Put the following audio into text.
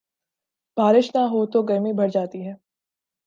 بارش نہ ہوتو گرمی بڑھ جاتی ہے۔